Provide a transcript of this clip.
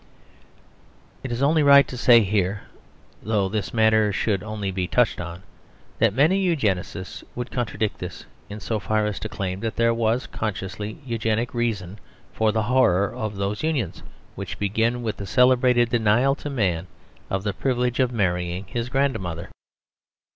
It is only right to say here, though the matter should only be touched on, that many Eugenists would contradict this, in so far as to claim that there was a consciously Eugenic reason for the horror of those unions which begin with the celebrated denial to man of the privilege of marrying his grandmother.